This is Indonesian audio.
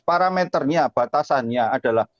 parameternya batasannya adalah